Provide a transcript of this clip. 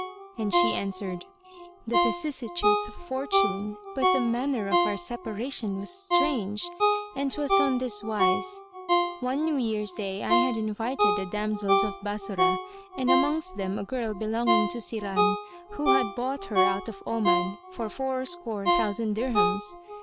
and she answered, "The vicissitudes of fortune, but the manner of our separation was strange; and 'twas on this wise. One New Year's day I had invited the damsels of Bassorah and amongst them a girl belonging to Siran, who had bought her out of Oman for four score thousand dirhams.